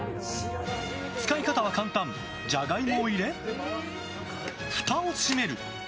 使い方は簡単、ジャガイモを入れふたを閉める。